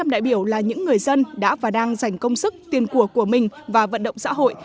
một trăm linh đại biểu là những người dân đã và đang dành công sức tiền của của mình và vận động xã hội